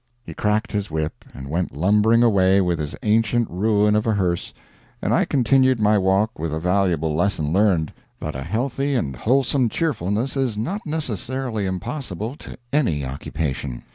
He cracked his whip and went lumbering away with his ancient ruin of a hearse, and I continued my walk with a valuable lesson learned that a healthy and wholesome is not necessarily impossible to any occupation.